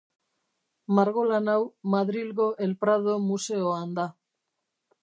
Margolan hau Madrilgo El Prado museoan da.